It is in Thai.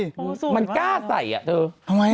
มันสวยมากมันกล้าใส่เธอทำไมล่ะ